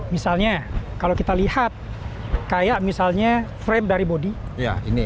misalnya kalau kita lihat kayak misalnya frame dari bodi